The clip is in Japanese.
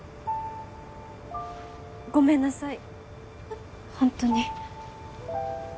ごめんなさいホントに。